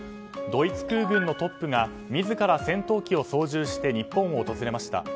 ドイツ空軍のトップが自ら戦闘機を操縦して日本を訪れました。